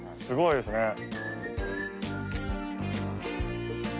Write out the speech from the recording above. すごいですね。